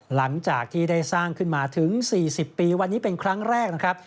หลังจากที่ได้สร้างขึ้นมาถึง๔๐ปีวันนี้เป็นครั้งแรกนะครับ